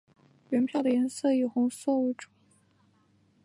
原票的颜色以红色为主。